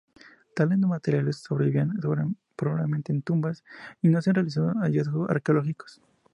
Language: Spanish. Tales materiales sobreviven pobremente en tumbas, y no se han realizado hallazgos arqueológicos.